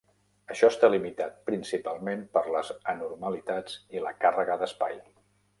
Això està limitat principalment per les anormalitats i la càrrega d'espai.